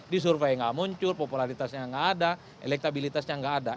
di survei nggak muncul popularitasnya nggak ada elektabilitasnya nggak ada